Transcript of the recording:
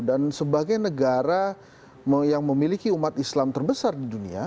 dan sebagai negara yang memiliki umat islam terbesar di dunia